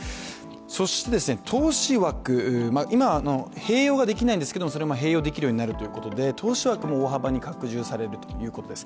そして投資枠、今は併用ができないんですけれどもそれも併用できるようになるということで投資枠も大幅に拡充されるということです。